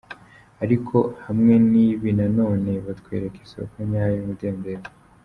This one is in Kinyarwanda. Ariko hamwe n’ibi na none batwereka isōko nyayo y’umudendezo:.